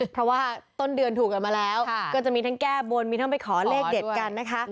เพราะว่าต้นเดือนถูกกันมาแล้วก็จะมีทั้งแก้บนมีทั้งไปขอเลขเด็ดกันนะคะ